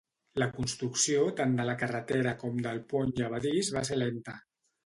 La construcció tant de la carretera com del pont llevadís va ser lenta.